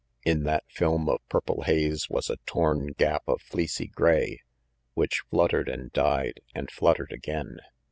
In that film of purple haze was a torn gap of fleecy gray, which fluttered and died and fluttered again.